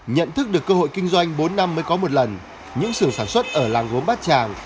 nhận thức được cơ hội kinh doanh bốn năm mới có một lần những sưởng sản xuất ở làng gốm bát tràng